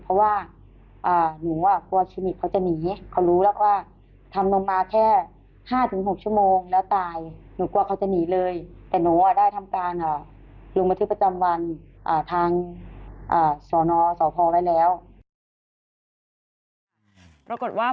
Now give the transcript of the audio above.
ยังไม่ได้เต้นกับคลินิกเพราะว่า